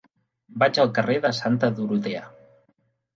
Vaig al carrer de Santa Dorotea.